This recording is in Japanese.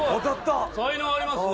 才能ありますね。